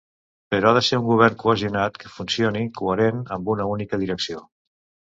Però ha de ser un govern cohesionat, que funcioni, coherent, amb una única direcció.